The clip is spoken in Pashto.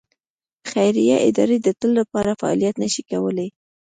خیریه ادارې د تل لپاره فعالیت نه شي کولای.